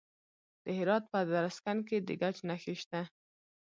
د هرات په ادرسکن کې د ګچ نښې شته.